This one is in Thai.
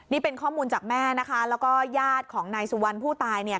นี่เป็นข้อมูลจากแม่นะคะแล้วก็ญาติของนายสุวรรณผู้ตายเนี่ย